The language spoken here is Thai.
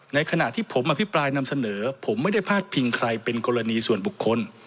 ขณะที่ผมอภิปรายนำเสนอผมไม่ได้พาดพิงใครเป็นกรณีส่วนบุคคล